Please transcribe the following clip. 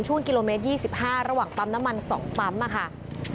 ช่วงกิโลเมตร๒๕ระหว่างปั๊มน้ำมัน๒ปั๊มค่ะ